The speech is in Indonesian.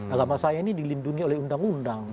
agama saya ini dilindungi oleh undang undang